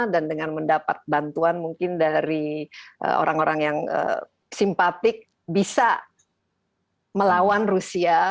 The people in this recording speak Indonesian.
dan dengan mendapat bantuan mungkin dari orang orang yang simpatik bisa melawan rusia